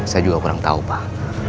saya juga kurang tahu pak